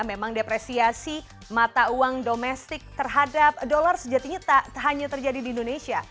memang depresiasi mata uang domestik terhadap dolar sejatinya tak hanya terjadi di indonesia